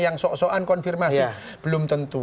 yang sok soan konfirmasi belum tentu